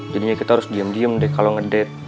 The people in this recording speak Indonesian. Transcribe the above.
jadinya kita harus diem diem deh kalau ngedet